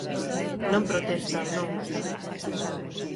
Non, protesta non.